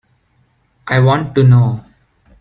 I want to know.